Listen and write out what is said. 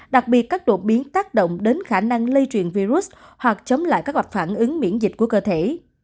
đặc biệt các đột biến tác động đến khả năng lây truyền virus hoặc chống lại các gặp phản ứng miễn dịch của cơ thể